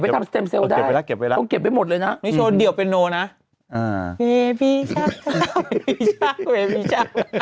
ไม่มีชาติไม่มีชาติไม่มีชาติ